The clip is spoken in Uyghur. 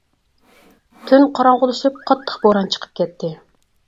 تۈن قاراڭغۇلىشىپ قاتتىق بوران چىقىپ كەتتى.